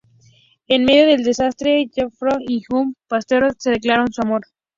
En medio del desastre, Faye Dolan y Guy Patterson se declaran su amor.